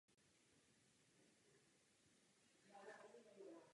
Měla stejné společenské postavení a práva jako muži.